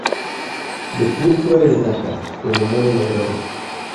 De púrpura y de nácar, donde muere la aurora.